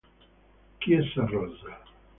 Chiesa rossa